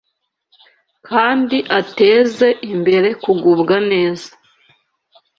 kandi ateze imbere kugubwa neza